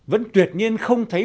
vẫn tuyệt nhiên không thấy